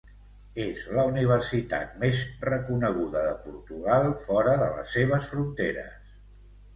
És la universitat més reconeguda de Portugal fora de les seves fronteres.